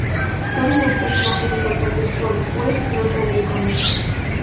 Todos los personajes importantes son, pues, norteamericanos.